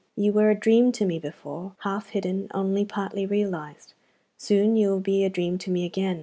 You were a dream to me before, half hidden, only partly realized. Soon you will be a dream to me again.